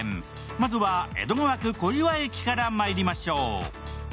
まずは江戸川区・小岩駅からまいりましょう。